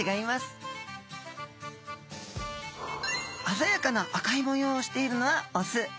あざやかな赤い模様をしているのはオス。